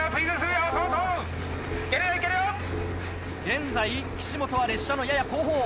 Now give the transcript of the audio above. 現在岸本は列車のやや後方。